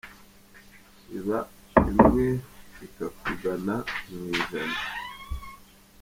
Iba imwe ikakugana mu ijana.